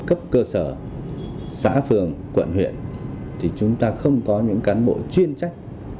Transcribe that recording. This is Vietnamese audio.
cấp cơ sở xã phường quận huyện thì chúng ta không có những cán bộ chuyên trách